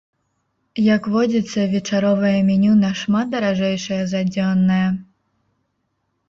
Як водзіцца, вечаровае меню нашмат даражэйшае за дзённае.